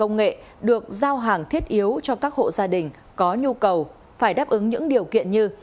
công ty giao hàng công nghệ được giao hàng thiết yếu cho các hộ gia đình có nhu cầu phải đáp ứng những điều kiện như